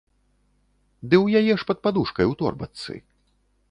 Ды ў яе ж пад падушкай у торбачцы.